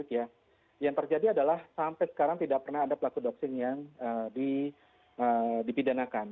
yang terjadi adalah sampai sekarang tidak pernah ada pelaku doxing yang dipidanakan